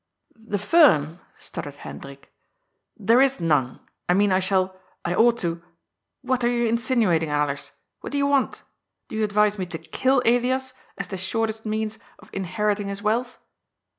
" The firm !" stuttered Hendrik. " There is none. I mean I shall — ^I ought to — ^what are you insinuating, Alers ? What do you want? Do you advise me to kill Elias as the shortest means of inheriting his wealth